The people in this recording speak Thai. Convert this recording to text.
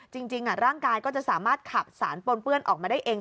จริงร่างกายก็จะสามารถขับสารปนเปื้อนออกมาได้เอง